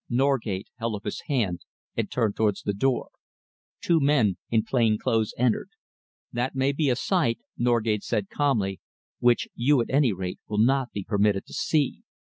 Norgate held up his hand and turned towards the door. Two men in plain clothes entered. "That may be a sight," Norgate said calmly, "which you, at any rate, will not be permitted to see.